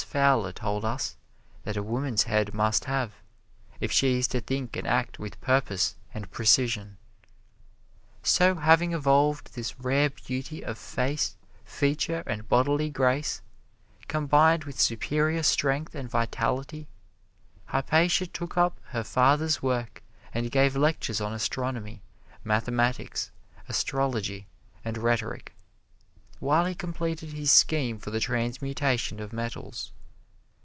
Fowler told us that a woman's head must have, if she is to think and act with purpose and precision. So having evolved this rare beauty of face, feature and bodily grace, combined with superior strength and vitality, Hypatia took up her father's work and gave lectures on astronomy, mathematics, astrology and rhetoric, while he completed his scheme for the transmutation of metals.